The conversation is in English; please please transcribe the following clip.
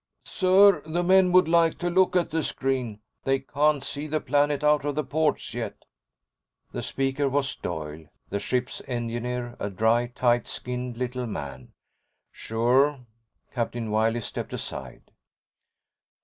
"Sir, the men would like to look at the screen. They can't see the planet out of the ports yet." The speaker was Doyle, the ship's Engineer, a dry, tight skinned little man. "Sure." Captain Wiley stepped aside.